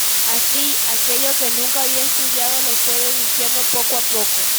Así, aquello que nunca había estudiado lo fue deduciendo poco a poco.